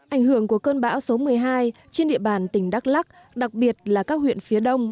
ảnh hưởng của cơn bão số một mươi hai trên địa bàn tỉnh đắk lắc đặc biệt là các huyện phía đông